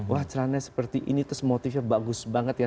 wah celana seperti ini terus motifnya bagus banget ya